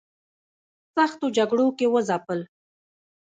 سختو جګړو کې وځپل.